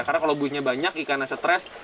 karena kalau buitnya banyak ikannya stres